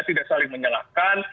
tidak saling menyalahkan